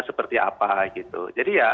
seperti apa gitu jadi ya